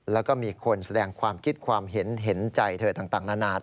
แล้วก็มีคนแสดงความคิดความเห็นเห็นใจเธอต่างนานา